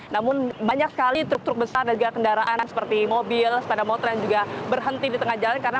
namun banyak sekali truk truk besar dan juga kendaraan seperti mobil sepeda motor yang juga berhenti di tengah jalan